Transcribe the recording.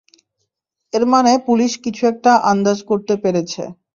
এর মানে পুলিশ কিছু একটা আন্দাজ করতে পেরেছে।